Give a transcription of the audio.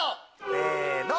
せの！